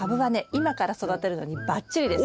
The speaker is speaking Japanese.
今から育てるのにバッチリです。